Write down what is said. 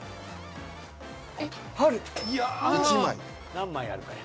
何枚あるかや。